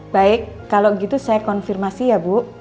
baik kalau gitu saya konfirmasi ya bu